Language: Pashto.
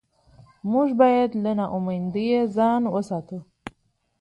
موږ باید له ناامیدۍ ځان وساتو